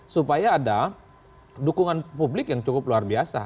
supaya ada dukungan publik yang cukup luar biasa